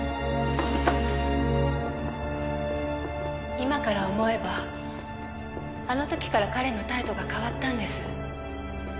今から思えばあの時から彼の態度が変わったんです。